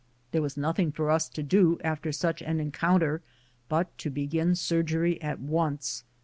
There was nothing for us to do after such an encounter but to begin surgery at once.